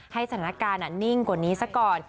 ให้สถานการณ์นิ่งกว่านี้ซะก่อน